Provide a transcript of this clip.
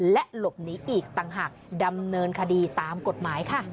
และหลบหนีอีกต่างหากดำเนินคดีตามกฎหมายค่ะ